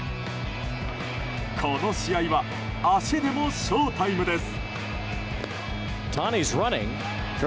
この試合は足でもショータイムです。